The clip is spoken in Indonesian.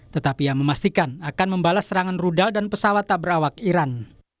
tetapi ia memastikan akan membalas serangan rudal dan pesawat tabrawak iran